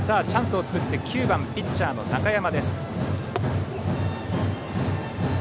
さあ、チャンスを作って９番ピッチャー、中山。